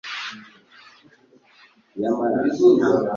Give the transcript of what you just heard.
ariko ubuntu ntibukuraho ubutabera.